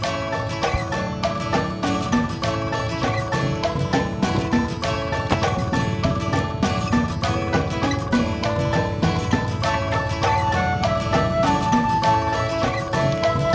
aku mau pergi